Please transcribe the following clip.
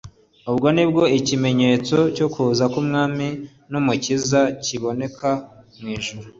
Ubwo nibwo ikimenyetso cyo kuza k'Umwana w'umuntu kizaboneka mu ijuru,